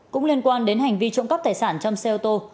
cũng liên quan đến hành vi trộm cắp tài sản trong xe ô tô